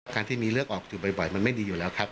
การที่มีเลือดออกอยู่บ่อยมันไม่ดีอยู่แล้วครับ